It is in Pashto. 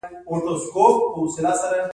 هلته ډاکټر بارنیکوټ په خپل کور کې اوسیده.